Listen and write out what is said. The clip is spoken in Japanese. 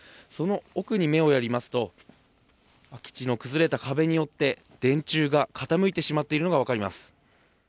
その奥に目をやりますと空き地の崩れた壁によって電柱が傾いてしまっているのが分かります。